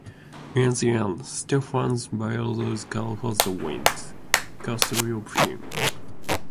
In the end, Stephen's biological father wins custody of him.